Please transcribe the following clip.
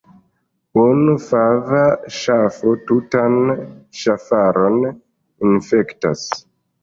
Unu fava ŝafo tutan ŝafaron infektas.